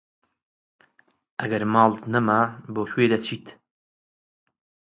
ئەگەر ماڵت نەما بۆ کوێ دەچیت؟